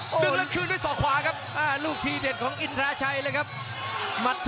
ดึงแล้วคืนด้วยศอกขวาครับลูกทีเด็ดของอินทราชัยเลยครับ